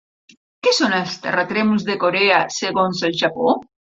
Què són els terratrèmols de Corea segons el Japó?